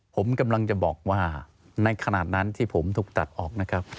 ผมกำลังจะบอกว่าในขณะนั้นที่ผมถูกตัดออกนะครับ